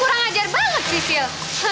kurang ajar banget sisil